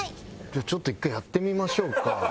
じゃあちょっと１回やってみましょうか。